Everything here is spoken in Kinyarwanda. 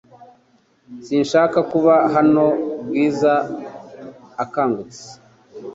Sinshaka kuba hano Bwiza akangutse .